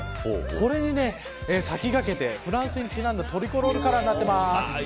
これに先駆けてフランスにちなんだトリコロールカラーになっています。